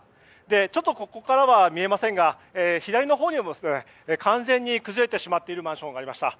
ちょっとここからは見えませんが左のほうにも完全に崩れてしまっているマンションがありました。